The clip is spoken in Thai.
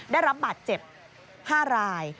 ได้รับบาดเจ็บ๕ราย